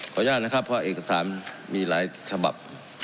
อนุญาตนะครับเพราะเอกสารมีหลายฉบับ